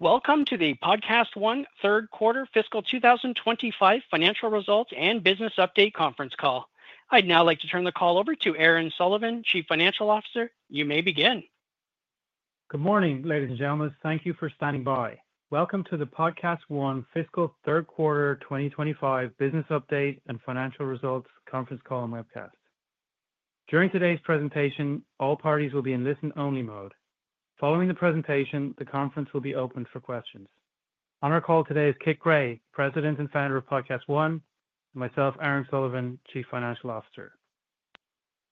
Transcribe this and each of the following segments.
Welcome to the PodcastOne Third Quarter Fiscal 2025 Financial Results and Business Update Conference Call. I'd now like to turn the call over to Aaron Sullivan, Chief Financial Officer. You may begin. Good morning, ladies and gentlemen. Thank you for standing by. Welcome to the PodcastOne Fiscal Third Quarter 2025 Business Update and Financial Results Conference Call and Webcast. During today's presentation, all parties will be in listen-only mode. Following the presentation, the conference will be open for questions. On our call today is Kit Gray, President and Founder of PodcastOne, and myself, Aaron Sullivan, Chief Financial Officer.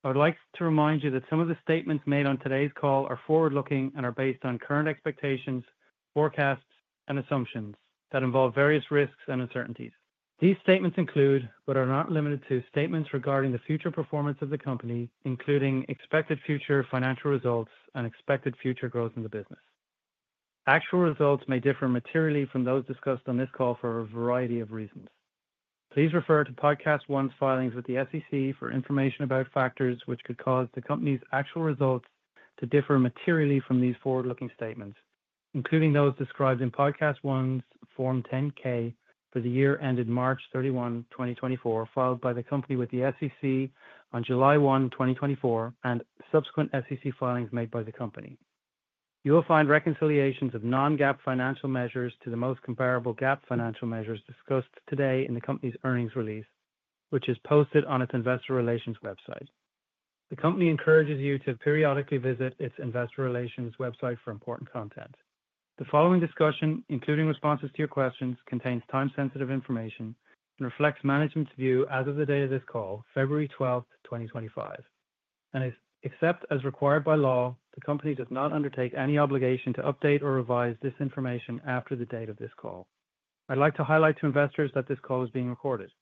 I would like to remind you that some of the statements made on today's call are forward-looking and are based on current expectations, forecasts, and assumptions that involve various risks and uncertainties. These statements include, but are not limited to, statements regarding the future performance of the company, including expected future financial results and expected future growth in the business. Actual results may differ materially from those discussed on this call for a variety of reasons. Please refer to PodcastOne's filings with the SEC for information about factors which could cause the company's actual results to differ materially from these forward-looking statements, including those described in PodcastOne's Form 10-K for the year ended March 31, 2024, filed by the company with the SEC on July 1, 2024, and subsequent SEC filings made by the company. You will find reconciliations of non-GAAP financial measures to the most comparable GAAP financial measures discussed today in the company's earnings release, which is posted on its investor relations website. The company encourages you to periodically visit its investor relations website for important content. The following discussion, including responses to your questions, contains time-sensitive information and reflects management's view as of the date of this call, February 12, 2025. Except as required by law, the company does not undertake any obligation to update or revise this information after the date of this call. I would like to highlight to investors that this call is being recorded.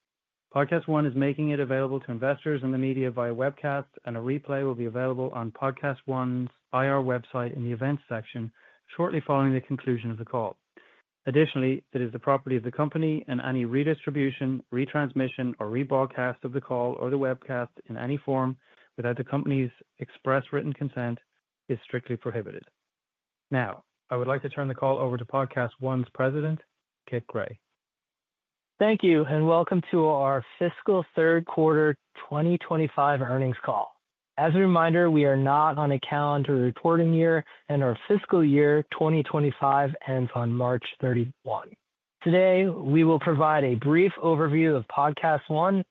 PodcastOne is making it available to investors and the media via webcast, and a replay will be available on PodcastOne's IR website in the events section shortly following the conclusion of the call. Additionally, it is the property of the company, and any redistribution, retransmission, or rebroadcast of the call or the webcast in any form without the company's express written consent is strictly prohibited. Now, I would like to turn the call over to PodcastOne's President, Kit Gray. Thank you, and welcome to our Fiscal Third Quarter 2025 earnings call. As a reminder, we are not on a calendar reporting year, and our fiscal year 2025 ends on March 31. Today, we will provide a brief overview of PodcastOne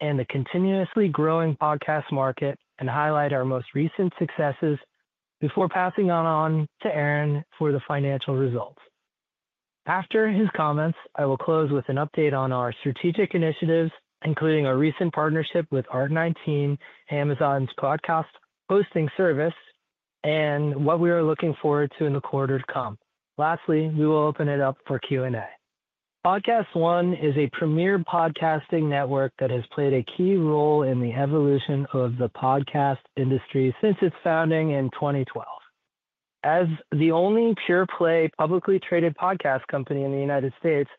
and the continuously growing podcast market and highlight our most recent successes before passing on to Aaron for the financial results. After his comments, I will close with an update on our strategic initiatives, including our recent partnership with Art19, Amazon's podcast hosting service, and what we are looking forward to in the quarter to come. Lastly, we will open it up for Q&A. PodcastOne is a premier podcasting network that has played a key role in the evolution of the podcast industry since its founding in 2012. As the only pure-play publicly traded podcast company in the United States,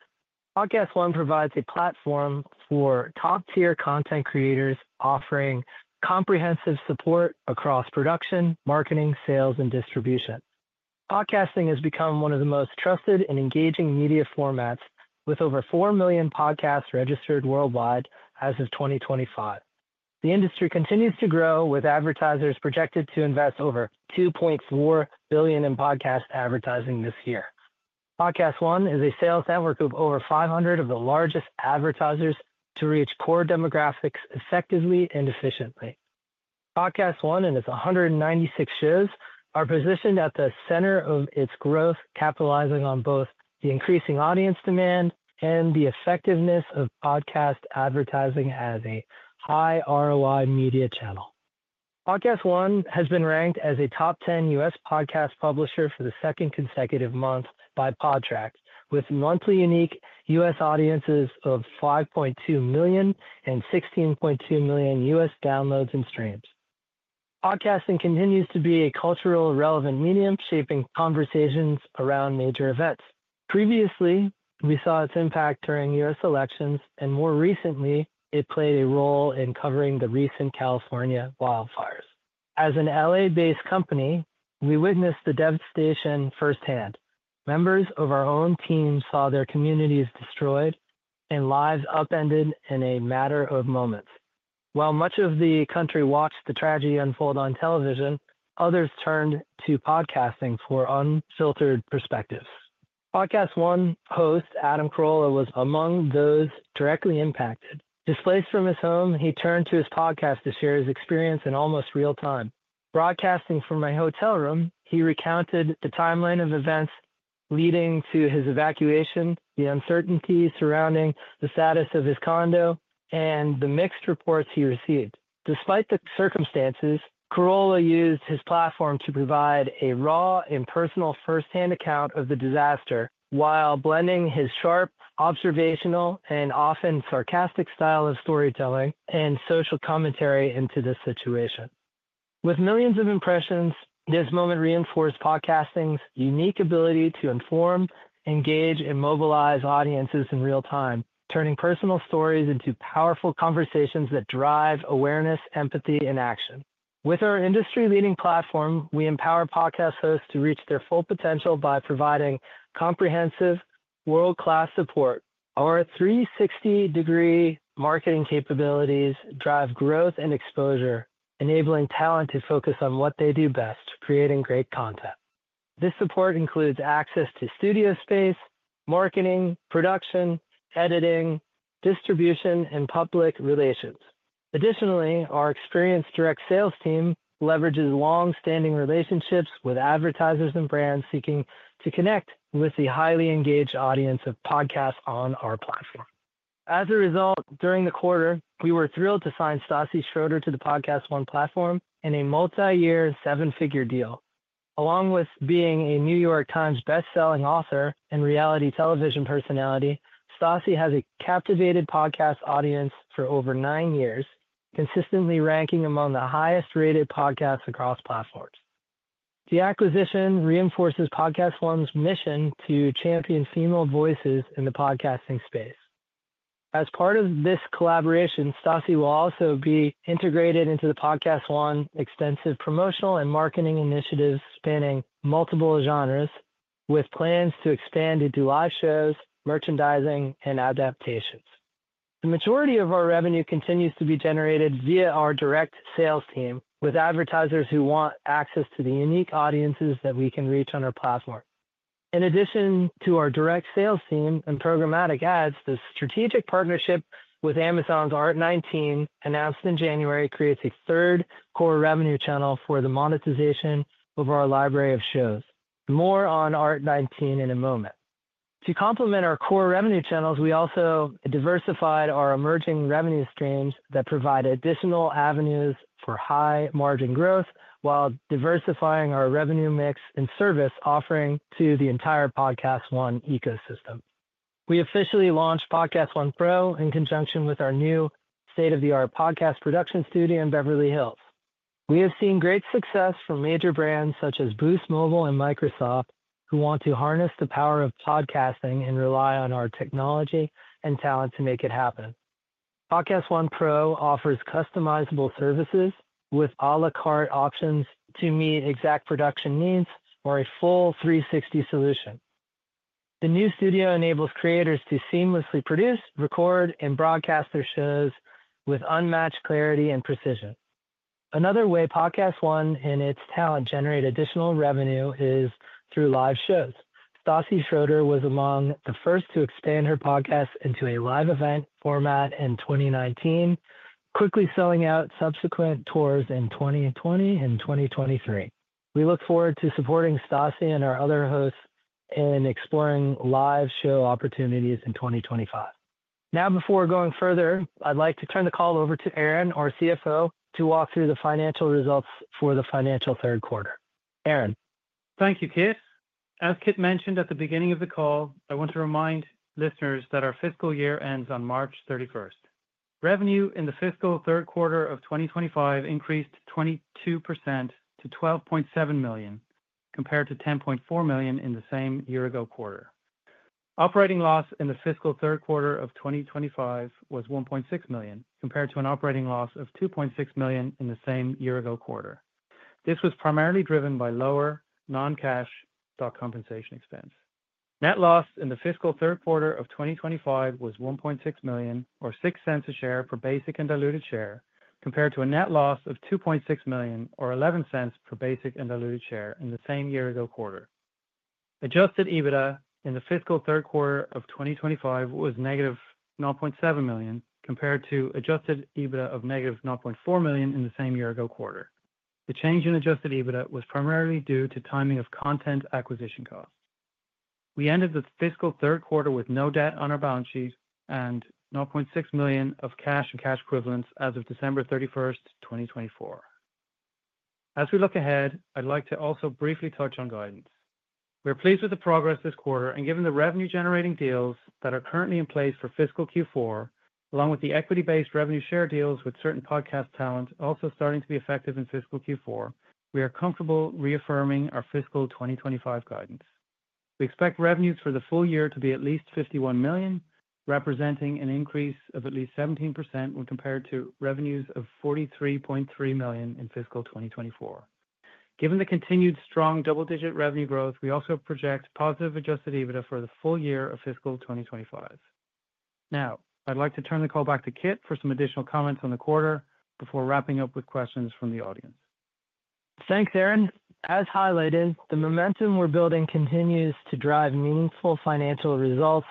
PodcastOne provides a platform for top-tier content creators, offering comprehensive support across production, marketing, sales, and distribution. Podcasting has become one of the most trusted and engaging media formats, with over 4 million podcasts registered worldwide as of 2025. The industry continues to grow, with advertisers projected to invest over $2.4 billion in podcast advertising this year. PodcastOne is a sales network of over 500 of the largest advertisers to reach core demographics effectively and efficiently. PodcastOne and its 196 shows are positioned at the center of its growth, capitalizing on both the increasing audience demand and the effectiveness of podcast advertising as a high-ROI media channel. PodcastOne has been ranked as a top 10 U.S. podcast publisher for the second consecutive month by Podtrac, with monthly unique U.S. audiences of 5.2 million and 16.2 million U.S. Downloads and streams. Podcasting continues to be a culturally relevant medium, shaping conversations around major events. Previously, we saw its impact during U.S. elections, and more recently, it played a role in covering the recent California wildfires. As an L.A.-based company, we witnessed the devastation firsthand. Members of our own team saw their communities destroyed and lives upended in a matter of moments. While much of the country watched the tragedy unfold on television, others turned to podcasting for unfiltered perspectives. PodcastOne host, Adam Carolla, was among those directly impacted. Displaced from his home, he turned to his podcast to share his experience in almost real time. Broadcasting from my hotel room, he recounted the timeline of events leading to his evacuation, the uncertainty surrounding the status of his condo, and the mixed reports he received. Despite the circumstances, Carolla used his platform to provide a raw and personal firsthand account of the disaster while blending his sharp, observational, and often sarcastic style of storytelling and social commentary into the situation. With millions of impressions, this moment reinforced PodcastOne's unique ability to inform, engage, and mobilize audiences in real time, turning personal stories into powerful conversations that drive awareness, empathy, and action. With our industry-leading platform, we empower podcast hosts to reach their full potential by providing comprehensive, world-class support. Our 360-degree marketing capabilities drive growth and exposure, enabling talent to focus on what they do best: creating great content. This support includes access to studio space, marketing, production, editing, distribution, and public relations. Additionally, our experienced direct sales team leverages long-standing relationships with advertisers and brands seeking to connect with the highly engaged audience of podcasts on our platform. As a result, during the quarter, we were thrilled to sign Stassi Schroeder to the PodcastOne platform in a multi-year, seven-figure deal. Along with being a New York Times best-selling author and reality television personality, Stassi has captivated podcast audiences for over nine years, consistently ranking among the highest-rated podcasts across platforms. The acquisition reinforces PodcastOne's mission to champion female voices in the podcasting space. As part of this collaboration, Stassi will also be integrated into the PodcastOne extensive promotional and marketing initiatives spanning multiple genres, with plans to expand into live shows, merchandising, and adaptations. The majority of our revenue continues to be generated via our direct sales team, with advertisers who want access to the unique audiences that we can reach on our platform. In addition to our direct sales team and programmatic ads, the strategic partnership with Amazon's Art19, announced in January, creates a third core revenue channel for the monetization of our library of shows. More on Art19 in a moment. To complement our core revenue channels, we also diversified our emerging revenue streams that provide additional avenues for high-margin growth while diversifying our revenue mix and service offering to the entire PodcastOne ecosystem. We officially launched PodcastOne Pro in conjunction with our new state-of-the-art podcast production studio, in Beverly Hills. We have seen great success from major brands such as Boost Mobile and Microsoft, who want to harness the power of podcasting and rely on our technology and talent to make it happen. PodcastOne Pro offers customizable services with à la carte options to meet exact production needs or a full 360 solution. The new studio enables creators to seamlessly produce, record, and broadcast their shows with unmatched clarity and precision. Another way PodcastOne and its talent generate additional revenue is through live shows. Stassi Schroeder was among the first to expand her podcast into a live event format in 2019, quickly selling out subsequent tours in 2020 and 2023. We look forward to supporting Stassi and our other hosts in exploring live show opportunities in 2025. Now, before going further, I'd like to turn the call over to Aaron, our CFO, to walk through the financial results for the financial third quarter. Aaron. Thank you, Kit. As Kit mentioned at the beginning of the call, I want to remind listeners that our fiscal year ends on March 31. Revenue in the fiscal third quarter of 2025 increased 22% to $12.7 million, compared to $10.4 million in the same year-ago quarter. Operating loss in the fiscal third quarter of 2025 was $1.6 million, compared to an operating loss of $2.6 million in the same year-ago quarter. This was primarily driven by lower non-cash stock compensation expense. Net loss in the fiscal third quarter of 2025 was $1.6 million, or $0.06 a share per basic and diluted share, compared to a net loss of $2.6 million, or $0.11 per basic and diluted share in the same year-ago quarter. Adjusted EBITDA in the fiscal third quarter of 2025 was negative $0.7 million, compared to adjusted EBITDA of negative $0.4 million in the same year-ago quarter. The change in adjusted EBITDA was primarily due to timing of content acquisition costs. We ended the fiscal third quarter with no debt on our balance sheet and $0.6 million of cash and cash equivalents as of December 31, 2024. As we look ahead, I'd like to also briefly touch on guidance. We're pleased with the progress this quarter, and given the revenue-generating deals that are currently in place for fiscal Q4, along with the equity-based revenue share deals with certain podcast talent also starting to be effective in fiscal Q4, we are comfortable reaffirming our fiscal 2025 guidance. We expect revenues for the full year to be at least $51 million, representing an increase of at least 17% when compared to revenues of $43.3 million in fiscal 2024. Given the continued strong double-digit revenue growth, we also project positive adjusted EBITDA for the full year of fiscal 2025. Now, I'd like to turn the call back to Kit for some additional comments on the quarter before wrapping up with questions from the audience. Thanks, Aaron. As highlighted, the momentum we're building continues to drive meaningful financial results,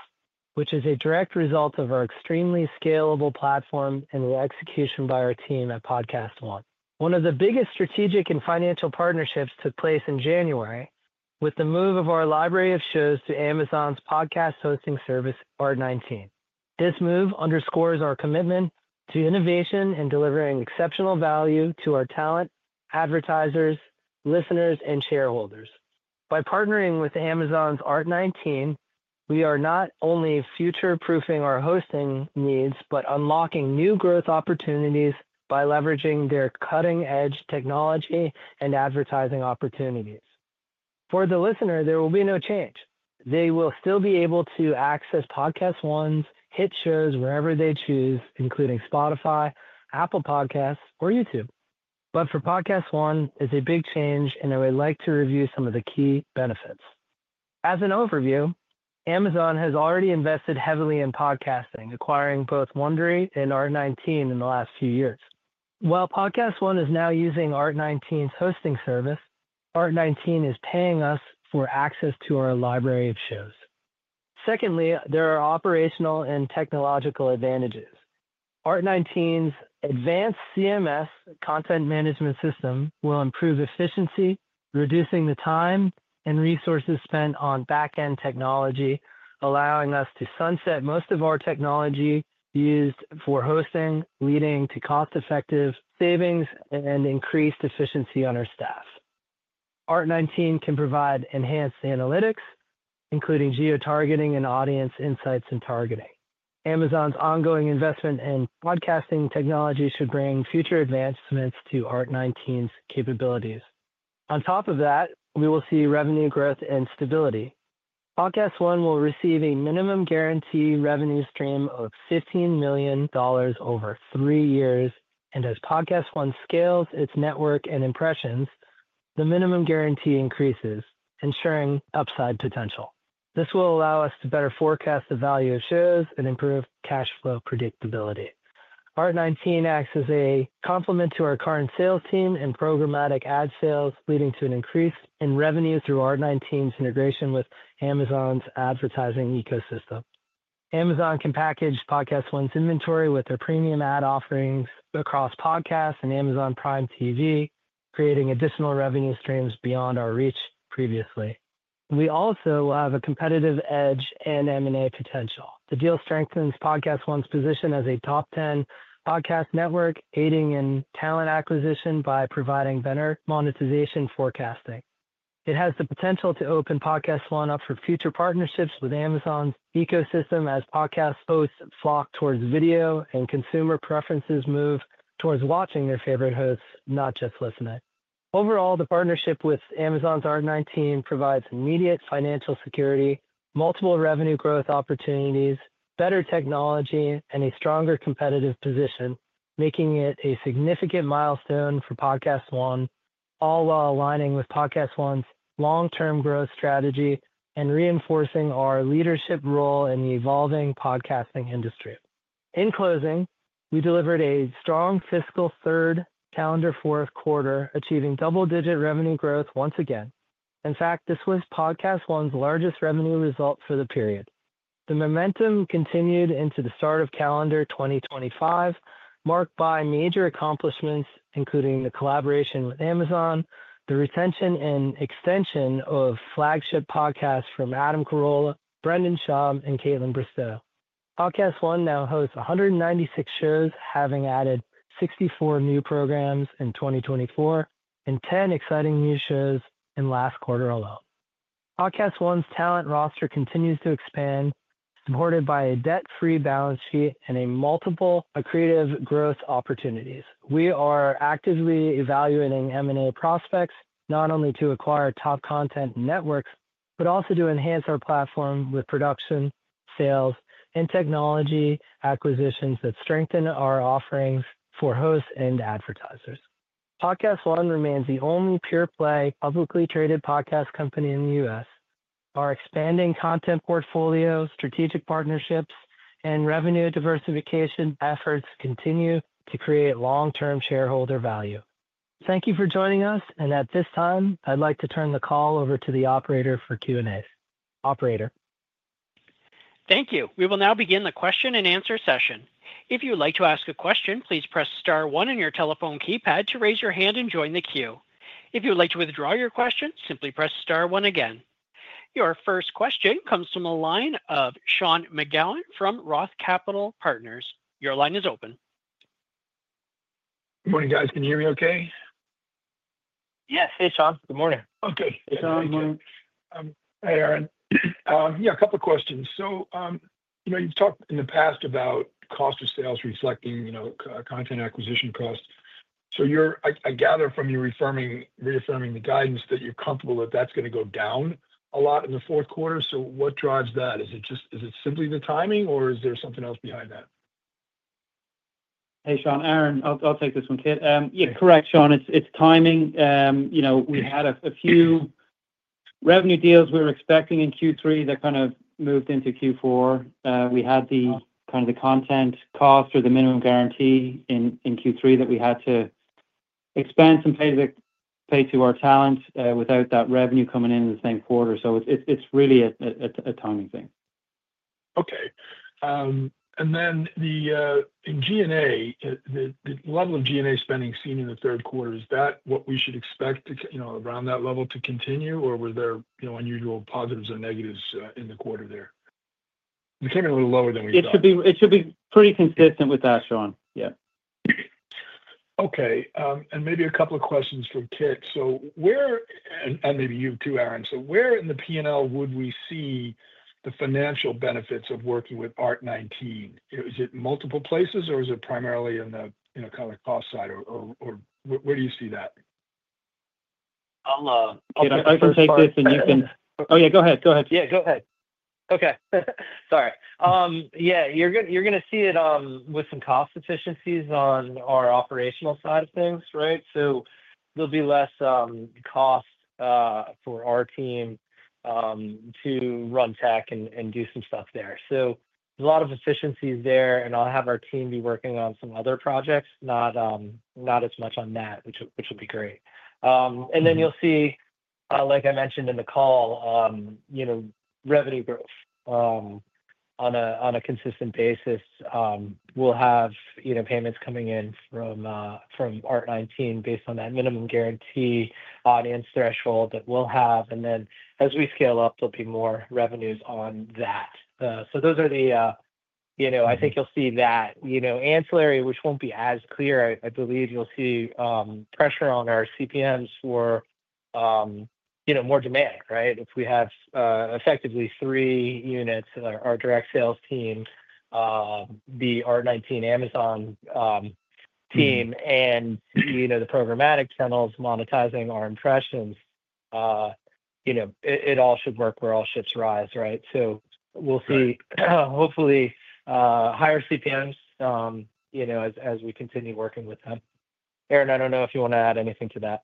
which is a direct result of our extremely scalable platform and the execution by our team at PodcastOne. One of the biggest strategic and financial partnerships took place in January with the move of our library of shows to Amazon's podcast hosting service, Art19. This move underscores our commitment to innovation and delivering exceptional value to our talent, advertisers, listeners, and shareholders. By partnering with Amazon's Art19, we are not only future-proofing our hosting needs but unlocking new growth opportunities by leveraging their cutting-edge technology and advertising opportunities. For the listener, there will be no change. They will still be able to access PodcastOne's hit shows wherever they choose, including Spotify, Apple Podcasts, or YouTube. For PodcastOne, it's a big change, and I would like to review some of the key benefits. As an overview, Amazon has already invested heavily in podcasting, acquiring both Wondery and Art19 in the last few years. While PodcastOne is now using Art19's hosting service, Art19 is paying us for access to our library of shows. Secondly, there are operational and technological advantages. Art19's advanced CMS content management system will improve efficiency, reducing the time and resources spent on back-end technology, allowing us to sunset most of our technology used for hosting, leading to cost-effective savings and increased efficiency on our staff. Art19 can provide enhanced analytics, including geotargeting and audience insights and targeting. Amazon's ongoing investment in podcasting technology should bring future advancements to Art19's capabilities. On top of that, we will see revenue growth and stability. PodcastOne will receive a minimum guarantee revenue stream of $15 million over three years, and as PodcastOne scales its network and impressions, the minimum guarantee increases, ensuring upside potential. This will allow us to better forecast the value of shows and improve cash flow predictability. Art19 acts as a complement to our current sales team and programmatic ad sales, leading to an increase in revenue through Art19's integration with Amazon's advertising ecosystem. Amazon can package PodcastOne's inventory with their premium ad offerings across podcasts and Amazon Prime TV, creating additional revenue streams beyond our reach previously. We also have a competitive edge and M&A potential. The deal strengthens PodcastOne's position as a top-10 podcast network, aiding in talent acquisition by providing better monetization forecasting. It has the potential to open PodcastOne up for future partnerships with Amazon's ecosystem as podcast hosts flock towards video and consumer preferences move towards watching their favorite hosts, not just listening. Overall, the partnership with Amazon's Art19 provides immediate financial security, multiple revenue growth opportunities, better technology, and a stronger competitive position, making it a significant milestone for PodcastOne, all while aligning with PodcastOne's long-term growth strategy and reinforcing our leadership role in the evolving podcasting industry. In closing, we delivered a strong fiscal third calendar fourth quarter, achieving double-digit revenue growth once again. In fact, this was PodcastOne's largest revenue result for the period. The momentum continued into the start of calendar 2025, marked by major accomplishments, including the collaboration with Amazon, the retention and extension of flagship podcasts from Adam Carolla, Brendan Schaub, and Kaitlyn Bristowe. PodcastOne now hosts 196 shows, having added 64 new programs in 2024 and 10 exciting new shows in the last quarter alone. PodcastOne's talent roster continues to expand, supported by a debt-free balance sheet and multiple creative growth opportunities. We are actively evaluating M&A prospects, not only to acquire top content networks, but also to enhance our platform with production, sales, and technology acquisitions that strengthen our offerings for hosts and advertisers. PodcastOne remains the only pure-play publicly traded podcast company in the U.S. Our expanding content portfolio, strategic partnerships, and revenue diversification efforts continue to create long-term shareholder value. Thank you for joining us, and at this time, I'd like to turn the call over to the operator for Q&A. Operator. Thank you. We will now begin the question-and-answer session. If you'd like to ask a question, please press star one on your telephone keypad to raise your hand and join the queue. If you'd like to withdraw your question, simply press star one again. Your first question comes from a line of Sean McGowan from Roth Capital Partners. Your line is open. Good morning, guys. Can you hear me okay? Yes. Hey, Sean. Good morning. Okay. Hey, Sean. Good morning. Hi, Aaron. Yeah, a couple of questions. You have talked in the past about cost of sales reflecting content acquisition costs. I gather from you reaffirming the guidance that you are comfortable that is going to go down a lot in the fourth quarter. What drives that? Is it simply the timing, or is there something else behind that? Hey, Sean. Aaron, I'll take this one, Kit. Yeah, correct, Sean. It's timing. We had a few revenue deals we were expecting in Q3 that kind of moved into Q4. We had the kind of the content cost or the minimum guarantee in Q3 that we had to expense and pay to our talent without that revenue coming in in the same quarter. It is really a timing thing. Okay. The level of G&A spending seen in the third quarter, is that what we should expect around that level to continue, or were there unusual positives or negatives in the quarter there? It became a little lower than we thought. It should be pretty consistent with that, Sean. Yeah. Okay. Maybe a couple of questions for Kit. Where—and maybe you too, Aaron—where in the P&L would we see the financial benefits of working with Art19? Is it multiple places, or is it primarily in the kind of cost side? Where do you see that? I'll take this and you can—oh, yeah, go ahead. Go ahead. Yeah, go ahead. Okay. Sorry. Yeah, you're going to see it with some cost efficiencies on our operational side of things, right? There will be less cost for our team to run tech and do some stuff there. There is a lot of efficiencies there, and I'll have our team be working on some other projects, not as much on that, which will be great. You will see, like I mentioned in the call, revenue growth on a consistent basis. We will have payments coming in from Art19 based on that minimum guarantee audience threshold that we will have. As we scale up, there will be more revenues on that. Those are the—I think you'll see that. Ancillary, which will not be as clear, I believe you'll see pressure on our CPMs for more demand, right? If we have effectively three units, our direct sales team, the Art19 Amazon team, and the programmatic channels monetizing our impressions, it all should work where all ships rise, right? We will see, hopefully, higher CPMs as we continue working with them. Aaron, I do not know if you want to add anything to that.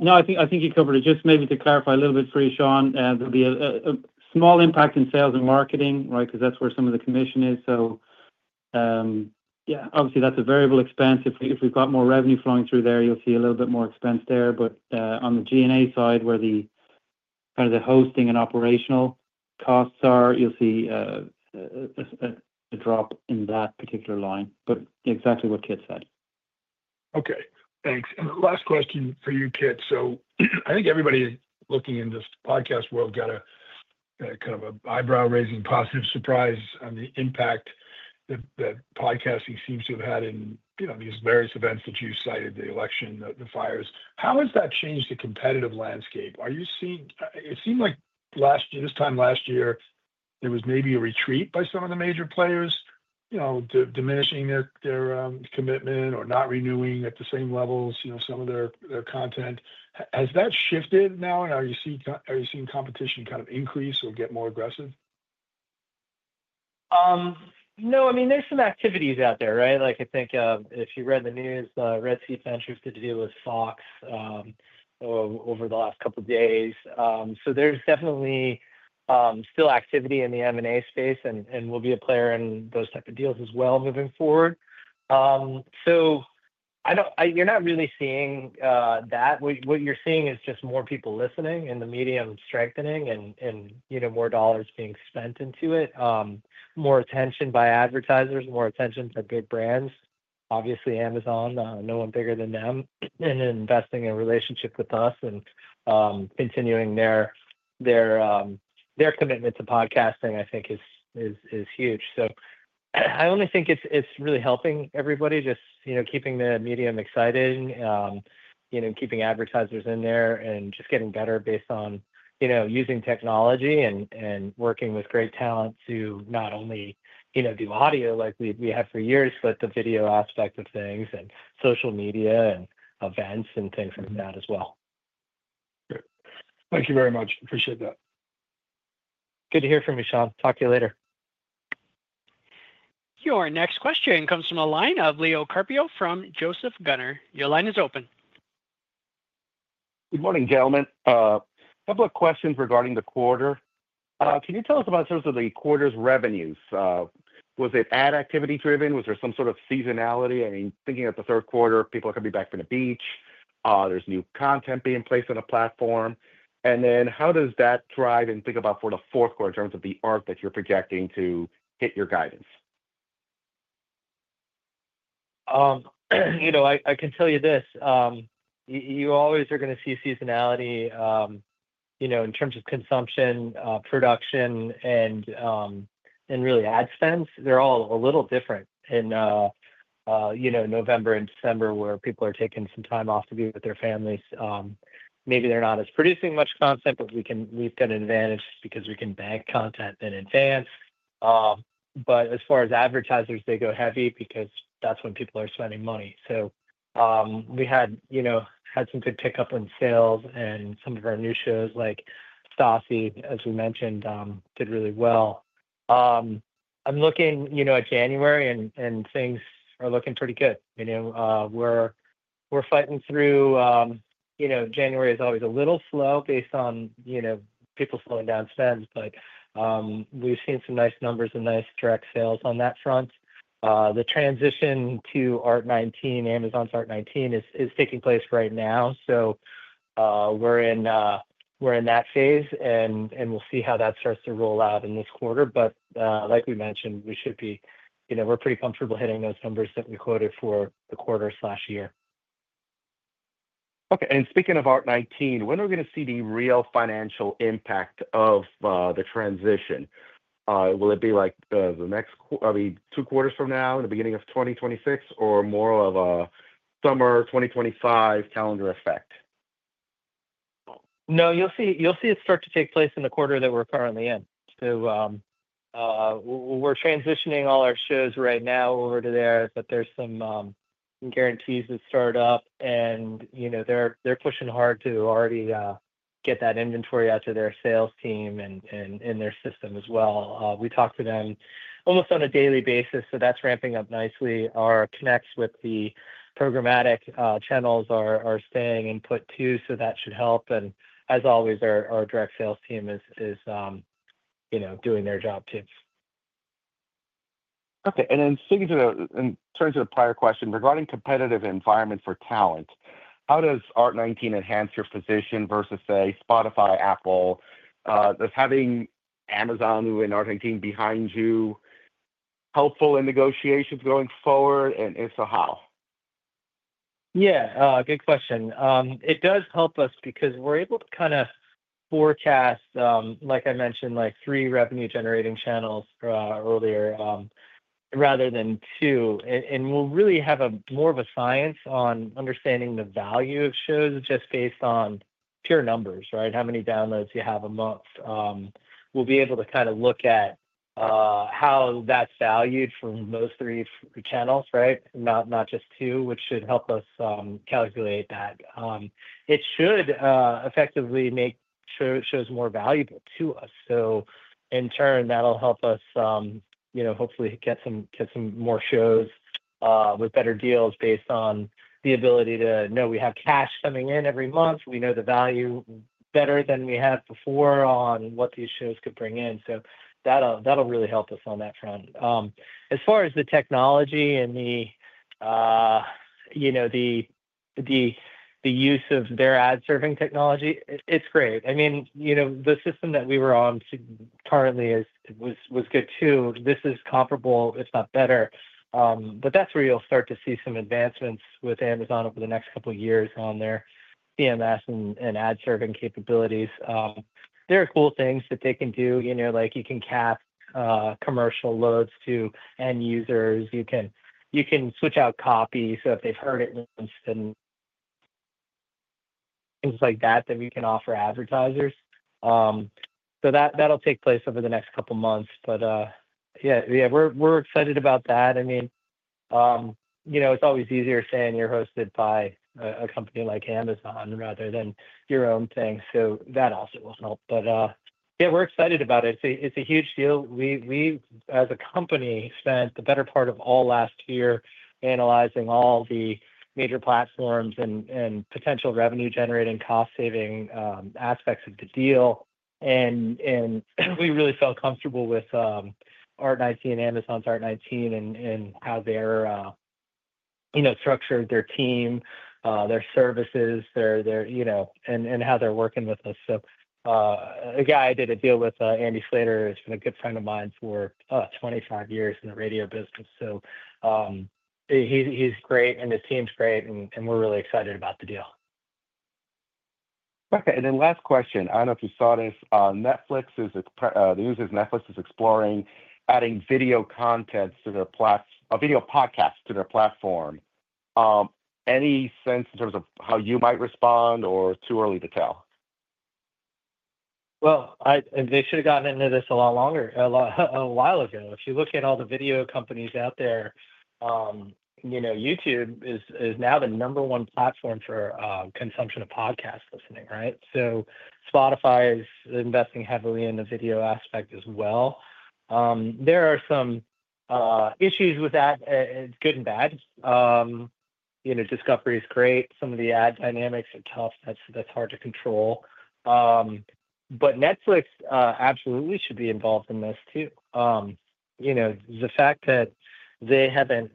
No, I think you covered it. Just maybe to clarify a little bit for you, Sean, there will be a small impact in sales and marketing, right, because that is where some of the commission is. Yeah, obviously, that is a variable expense. If we have more revenue flowing through there, you will see a little bit more expense there. On the G&A side, where the hosting and operational costs are, you will see a drop in that particular line. Exactly what Kit said. Okay. Thanks. Last question for you, Kit. I think everybody looking in this podcast world got a kind of eyebrow-raising positive surprise on the impact that podcasting seems to have had in these various events that you cited: the election, the fires. How has that changed the competitive landscape? It seemed like this time last year, there was maybe a retreat by some of the major players diminishing their commitment or not renewing at the same levels some of their content. Has that shifted now, and are you seeing competition kind of increase or get more aggressive? No. I mean, there's some activities out there, right? I think if you read the news, iHeartMedia did a deal with Fox over the last couple of days. There is definitely still activity in the M&A space, and we'll be a player in those types of deals as well moving forward. You're not really seeing that. What you're seeing is just more people listening and the medium strengthening and more dollars being spent into it, more attention by advertisers, more attention to big brands, obviously Amazon, no one bigger than them, and investing in relationship with us and continuing their commitment to podcasting, I think, is huge. I only think it's really helping everybody, just keeping the medium exciting, keeping advertisers in there, and just getting better based on using technology and working with great talent to not only do audio like we have for years, but the video aspect of things and social media and events and things like that as well. Great. Thank you very much. Appreciate that. Good to hear from you, Sean. Talk to you later. Your next question comes from a line of Leo Carpio from Joseph Gunnar. Your line is open. Good morning, gentlemen. A couple of questions regarding the quarter. Can you tell us about in terms of the quarter's revenues? Was it ad activity-driven? Was there some sort of seasonality? I mean, thinking of the third quarter, people are going to be back from the beach. There's new content being placed on the platform. I mean, how does that drive and think about for the fourth quarter in terms of the arc that you're projecting to hit your guidance? I can tell you this. You always are going to see seasonality in terms of consumption, production, and really ad spends. They're all a little different in November and December where people are taking some time off to be with their families. Maybe they're not producing as much content, but we've got an advantage because we can bank content in advance. As far as advertisers, they go heavy because that's when people are spending money. We had some good pickup in sales, and some of our new shows like Stassi, as we mentioned, did really well. I'm looking at January, and things are looking pretty good. We're fighting through. January is always a little slow based on people slowing down spends, but we've seen some nice numbers and nice direct sales on that front. The transition to Art19, Amazon's Art19, is taking place right now. We're in that phase, and we'll see how that starts to roll out in this quarter. Like we mentioned, we should be—we're pretty comfortable hitting those numbers that we quoted for the quarter/year. Okay. And speaking of Art19, when are we going to see the real financial impact of the transition? Will it be like the next—I mean, two quarters from now in the beginning of 2026, or more of a summer 2025 calendar effect? No, you'll see it start to take place in the quarter that we're currently in. We're transitioning all our shows right now over to there, but there's some guarantees that start up, and they're pushing hard to already get that inventory out to their sales team and their system as well. We talk to them almost on a daily basis, so that's ramping up nicely. Our connects with the programmatic channels are staying input too, so that should help. As always, our direct sales team is doing their job too. Okay. Speaking to the—in terms of the prior question, regarding competitive environment for talent, how does Art19 enhance your position versus, say, Spotify, Apple? Does having Amazon and Art19 behind you helpful in negotiations going forward, and if so, how? Yeah. Good question. It does help us because we're able to kind of forecast, like I mentioned, three revenue-generating channels earlier rather than two. We'll really have more of a science on understanding the value of shows just based on pure numbers, right? How many downloads you have a month. We'll be able to kind of look at how that's valued from those three channels, right? Not just two, which should help us calculate that. It should effectively make shows more valuable to us. In turn, that'll help us hopefully get some more shows with better deals based on the ability to know we have cash coming in every month. We know the value better than we had before on what these shows could bring in. That'll really help us on that front. As far as the technology and the use of their ad-serving technology, it's great. I mean, the system that we were on currently was good too. This is comparable, if not better. That is where you'll start to see some advancements with Amazon over the next couple of years on their CMS and ad-serving capabilities. There are cool things that they can do. You can cap commercial loads to end users. You can switch out copies if they've heard it once and things like that that we can offer advertisers. That will take place over the next couple of months. Yeah, we're excited about that. I mean, it's always easier saying you're hosted by a company like Amazon rather than your own thing. That also will help. Yeah, we're excited about it. It's a huge deal. We, as a company, spent the better part of all last year analyzing all the major platforms and potential revenue-generating cost-saving aspects of the deal. We really felt comfortable with Art19 and Amazon's Art19 and how they're structured, their team, their services, and how they're working with us. A guy I did a deal with, Andy Slater, has been a good friend of mine for 25 years in the radio business. He's great, and his team's great, and we're really excited about the deal. Okay. Last question. I don't know if you saw this. Netflix is—the news is Netflix is exploring adding video content to their—a video podcast to their platform. Any sense in terms of how you might respond or too early to tell? They should have gotten into this a lot longer, a while ago. If you look at all the video companies out there, YouTube is now the number one platform for consumption of podcast listening, right? Spotify is investing heavily in the video aspect as well. There are some issues with that. It's good and bad. Discovery is great. Some of the ad dynamics are tough. That's hard to control. Netflix absolutely should be involved in this too. The fact that they haven't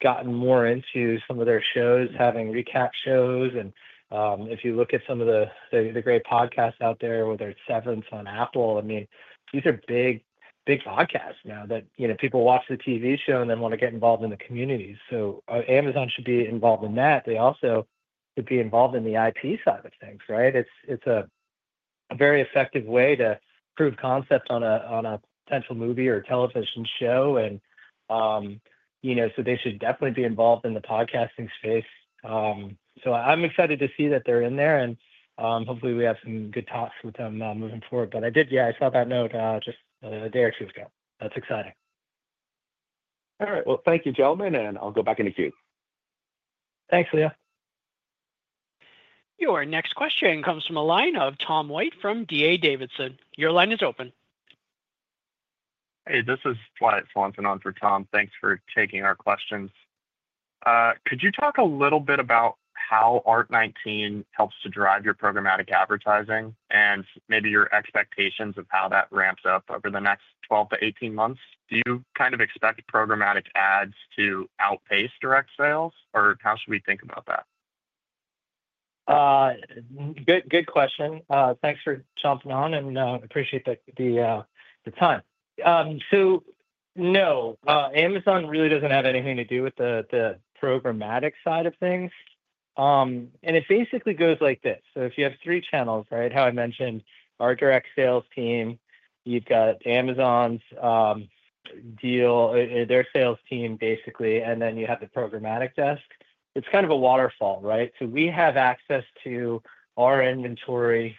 gotten more into some of their shows, having recap shows. If you look at some of the great podcasts out there, whether it's Severance on Apple, I mean, these are big podcasts now that people watch the TV show and then want to get involved in the community. Amazon should be involved in that. They also should be involved in the IP side of things, right? It's a very effective way to prove concept on a potential movie or television show. They should definitely be involved in the podcasting space. I'm excited to see that they're in there. Hopefully, we have some good talks with them moving forward. I did—yeah, I saw that note just a day or two ago. That's exciting. All right. Thank you, gentlemen, and I'll go back into queue. Thanks, Leo. Your next question comes from a line of Tom White from D.A. Davidson. Your line is open. Hey, this is Floyd Swanson on for Tom. Thanks for taking our questions. Could you talk a little bit about how Art19 helps to drive your programmatic advertising and maybe your expectations of how that ramps up over the next 12 to 18 months? Do you kind of expect programmatic ads to outpace direct sales, or how should we think about that? Good question. Thanks for jumping on, and I appreciate the time. No, Amazon really doesn't have anything to do with the programmatic side of things. It basically goes like this. If you have three channels, right, how I mentioned, our direct sales team, you've got Amazon's deal, their sales team basically, and then you have the programmatic desk. It's kind of a waterfall, right? We have access to our inventory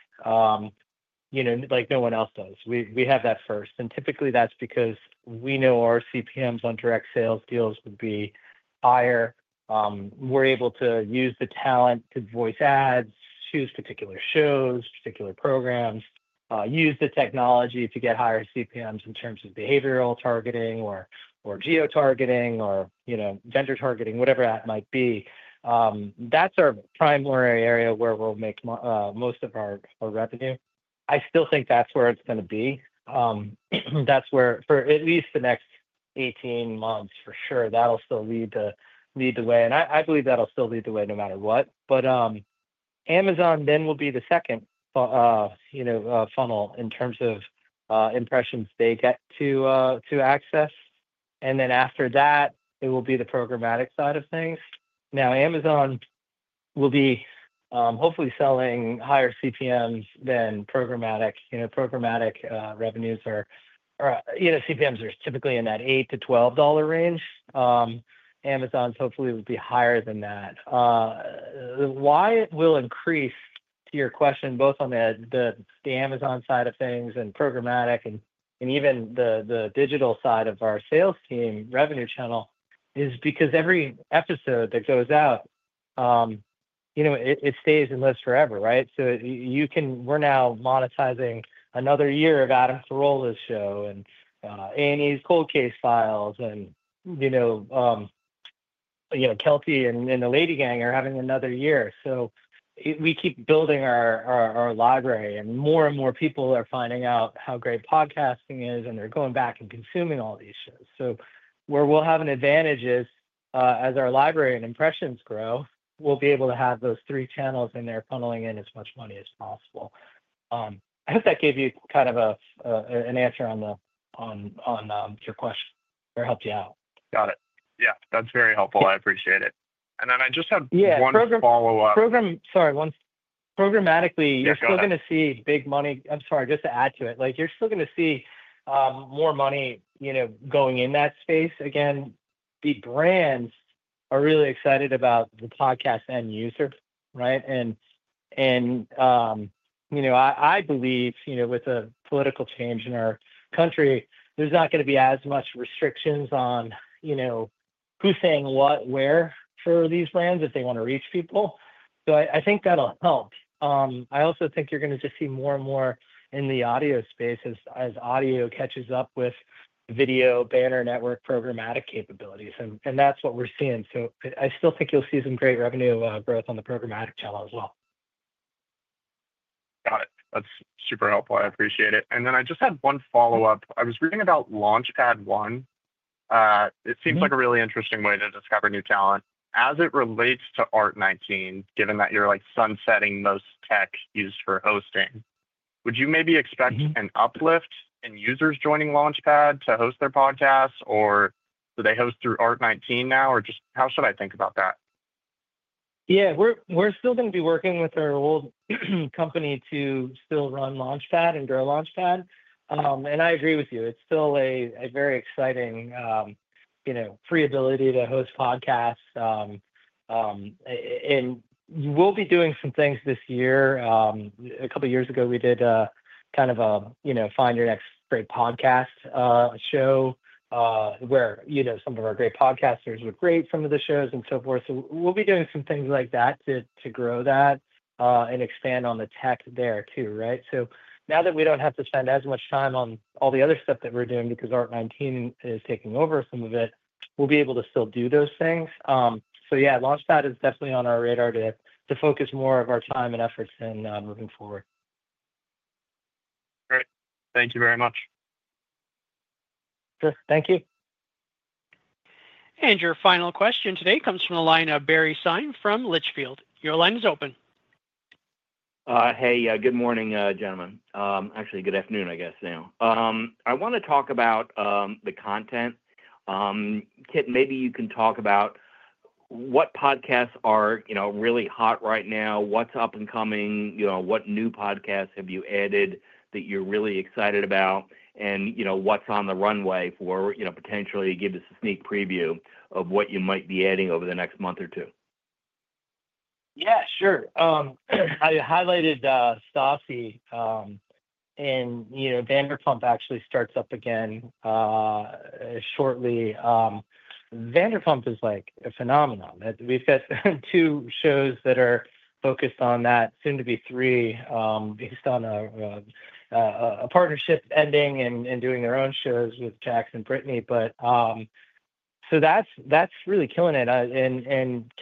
like no one else does. We have that first. Typically, that's because we know our CPMs on direct sales deals would be higher. We're able to use the talent to voice ads, choose particular shows, particular programs, use the technology to get higher CPMs in terms of behavioral targeting or geo-targeting or vendor targeting, whatever that might be. That's our primary area where we'll make most of our revenue. I still think that's where it's going to be. That's where for at least the next 18 months, for sure, that'll still lead the way. I believe that'll still lead the way no matter what. Amazon then will be the second funnel in terms of impressions they get to access. After that, it will be the programmatic side of things. Amazon will be hopefully selling higher CPMs than programmatic. Programmatic revenues or CPMs are typically in that $8-$12 range. Amazon's hopefully will be higher than that. Why it will increase, to your question, both on the Amazon side of things and programmatic and even the digital side of our sales team revenue channel is because every episode that goes out, it stays in lists forever, right? We're now monetizing another year of Adam Carolla's show and A&E's Cold Case Files and Keltie and The LadyGang are having another year. We keep building our library, and more and more people are finding out how great podcasting is, and they're going back and consuming all these shows. Where we'll have an advantage is as our library and impressions grow, we'll be able to have those three channels in there funneling in as much money as possible. I hope that gave you kind of an answer on your question or helped you out. Got it. Yeah. That's very helpful. I appreciate it. I just have one follow-up. Yeah. Programmatically, you're still going to see big money. Sorry, just to add to it. You're still going to see more money going in that space. Again, the brands are really excited about the podcast end user, right? I believe with a political change in our country, there's not going to be as much restrictions on who's saying what, where for these brands if they want to reach people. I think that'll help. I also think you're going to just see more and more in the audio space as audio catches up with video banner network programmatic capabilities. That's what we're seeing. I still think you'll see some great revenue growth on the programmatic channel as well. Got it. That's super helpful. I appreciate it. I just had one follow-up. I was reading about LaunchpadOne. It seems like a really interesting way to discover new talent. As it relates to Art19, given that you're sunsetting most tech used for hosting, would you maybe expect an uplift in users joining Launchpad to host their podcasts, or do they host through Art19 now, or just how should I think about that? Yeah. We're still going to be working with our old company to still run Launchpad and grow Launchpad. I agree with you. It's still a very exciting free ability to host podcasts. We'll be doing some things this year. A couple of years ago, we did kind of a Find Your Next Great Podcast show where some of our great podcasters were great from the shows and so forth. We'll be doing some things like that to grow that and expand on the tech there too, right? Now that we don't have to spend as much time on all the other stuff that we're doing because Art19 is taking over some of it, we'll be able to still do those things. Launchpad is definitely on our radar to focus more of our time and efforts in moving forward. Great. Thank you very much. Thank you. Your final question today comes from the line of Barry Sine from Litchfield. Your line is open. Hey, good morning, gentlemen. Actually, good afternoon, I guess, now. I want to talk about the content. Kit, maybe you can talk about what podcasts are really hot right now, what's up and coming, what new podcasts have you added that you're really excited about, and what's on the runway for potentially give us a sneak preview of what you might be adding over the next month or two. Yeah, sure. I highlighted Stassi, and Vanderpump actually starts up again shortly. Vanderpump is like a phenomenon. We have two shows that are focused on that, soon to be three, based on a partnership ending and doing their own shows with Jax and Brittany. That is really killing it.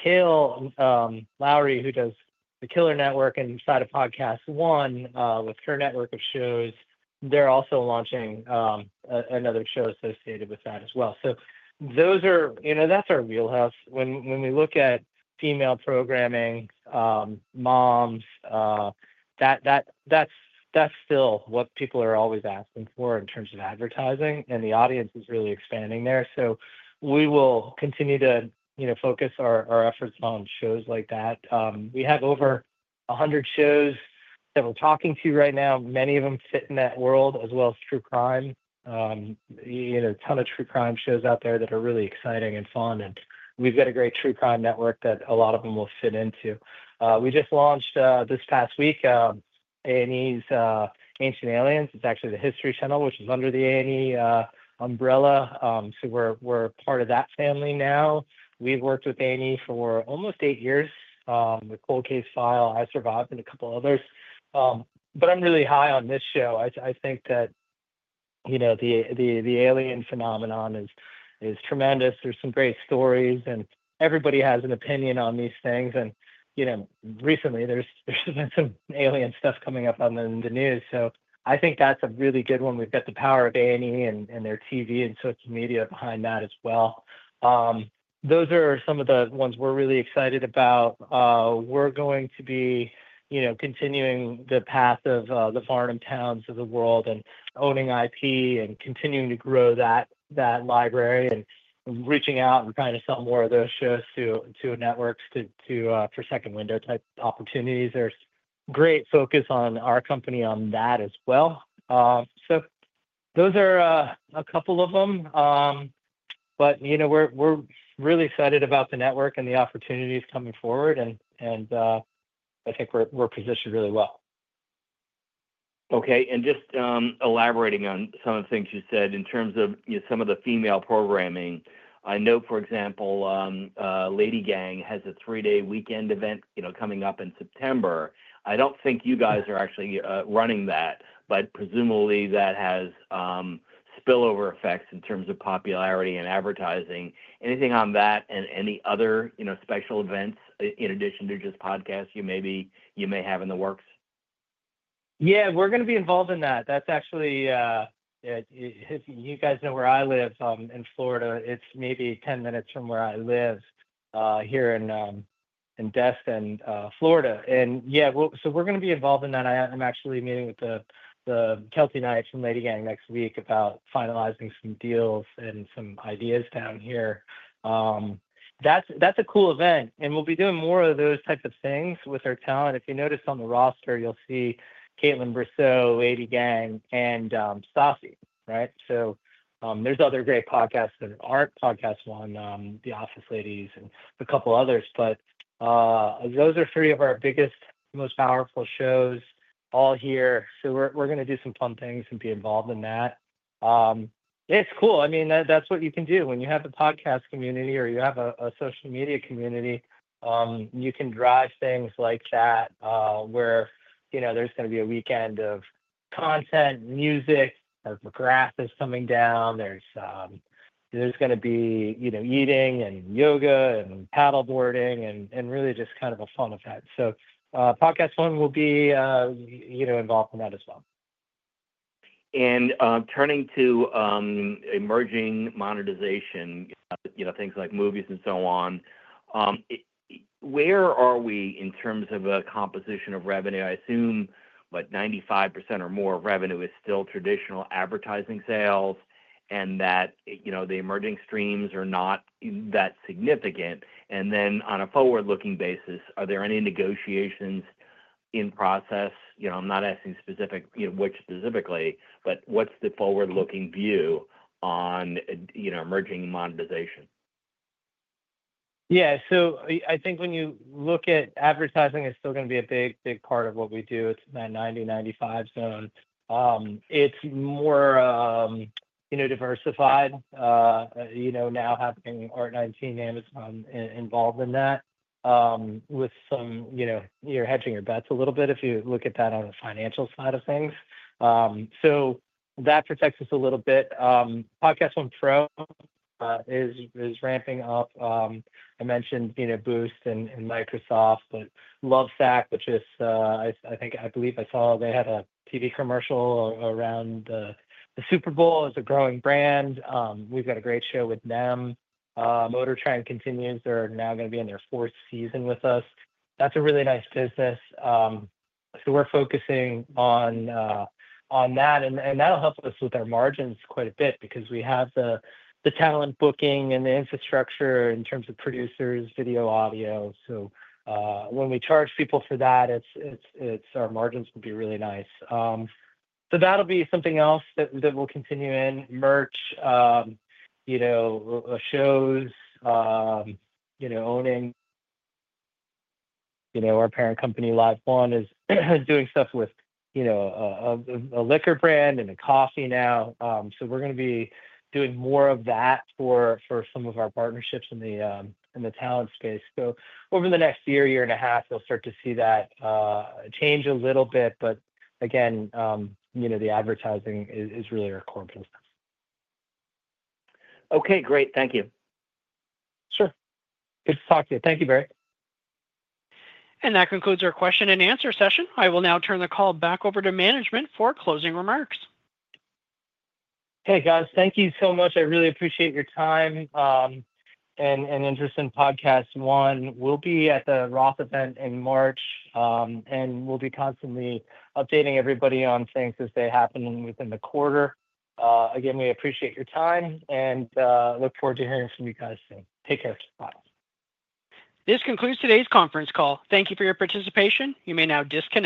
Kailyn Lowry, who does the KILLR Network and Inside of PodcastOne with her network of shows, they are also launching another show associated with that as well. That is our wheelhouse. When we look at female programming, moms, that is still what people are always asking for in terms of advertising, and the audience is really expanding there. We will continue to focus our efforts on shows like that. We have over 100 shows that we are talking to right now. Many of them fit in that world, as well as true crime. A ton of true crime shows out there that are really exciting and fun. We have got a great true crime network that a lot of them will fit into. We just launched this past week A&E's Ancient Aliens. It is actually the History Channel, which is under the A&E umbrella. We are part of that family now. We have worked with A&E for almost eight years with Cold Case Files, I Survived, and a couple others. I am really high on this show. I think that the alien phenomenon is tremendous. There are some great stories, and everybody has an opinion on these things. Recently, there has been some alien stuff coming up on the news. I think that is a really good one. We have got the power of A&E and their TV and social media behind that as well. Those are some of the ones we are really excited about. We're going to be continuing the path of the Varnamtown of the world and owning IP and continuing to grow that library and reaching out and trying to sell more of those shows to networks for second-window type opportunities. There is great focus on our company on that as well. Those are a couple of them. We're really excited about the network and the opportunities coming forward. I think we're positioned really well. Okay. And just elaborating on some of the things you said in terms of some of the female programming. I know, for example, Lady Gang has a three-day weekend event coming up in September. I do not think you guys are actually running that, but presumably that has spillover effects in terms of popularity and advertising. Anything on that and any other special events in addition to just podcasts you may have in the works? Yeah, we're going to be involved in that. That's actually if you guys know where I live in Florida, it's maybe 10 minutes from where I live here in Destin, Florida. Yeah, we're going to be involved in that. I'm actually meeting with the Keltie Knight and Lady Gang next week about finalizing some deals and some ideas down here. That's a cool event. We'll be doing more of those types of things with our talent. If you notice on the roster, you'll see Kaitlyn Bristowe, Lady Gang, and Stassi, right? There are other great podcasts that aren't PodcastOne, The Office Ladies, and a couple others. Those are three of our biggest, most powerful shows all here. We're going to do some fun things and be involved in that. It's cool. I mean, that's what you can do when you have a podcast community or you have a social media community. You can drive things like that where there's going to be a weekend of content, music. There's a graph that's coming down. There's going to be eating and yoga and paddleboarding and really just kind of a fun event. PodcastOne will be involved in that as well. Turning to emerging monetization, things like movies and so on, where are we in terms of a composition of revenue? I assume what, 95% or more of revenue is still traditional advertising sales and that the emerging streams are not that significant. On a forward-looking basis, are there any negotiations in process? I'm not asking which specifically, but what's the forward-looking view on emerging monetization? Yeah. I think when you look at advertising, it's still going to be a big part of what we do. It's that 90-95% zone. It's more diversified now having Art19, Amazon involved in that with some, you're hedging your bets a little bit if you look at that on the financial side of things. That protects us a little bit. PodcastOne Pro is ramping up. I mentioned Boost and Microsoft, but Lovesac, which is, I think, I believe I saw they had a TV commercial around the Super Bowl as a growing brand. We've got a great show with them. MotorTrend continues. They're now going to be in their fourth season with us. That's a really nice business. We are focusing on that. That'll help us with our margins quite a bit because we have the talent booking and the infrastructure in terms of producers, video, audio. When we charge people for that, our margins will be really nice. That will be something else that will continue in merch, shows, owning. Our parent company, LiveOne, is doing stuff with a liquor brand and a coffee now. We are going to be doing more of that for some of our partnerships in the talent space. Over the next year, year and a half, you'll start to see that change a little bit. Again, the advertising is really our core business. Okay. Great. Thank you. Sure. Good to talk to you. Thank you, Barry. That concludes our question and answer session. I will now turn the call back over to management for closing remarks. Hey, guys. Thank you so much. I really appreciate your time and interest in PodcastOne. We'll be at the Roth event in March, and we'll be constantly updating everybody on things as they happen within the quarter. Again, we appreciate your time and look forward to hearing from you guys soon. Take care. Bye. This concludes today's conference call. Thank you for your participation. You may now disconnect.